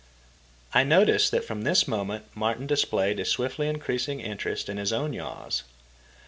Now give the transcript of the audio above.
I noticed that from this moment Martin displayed a swiftly increasing interest in his own yaws.